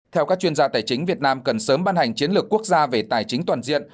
theo các chuyên gia tài chính việt nam cần sớm ban hành chiến lược quốc gia về tài chính toàn diện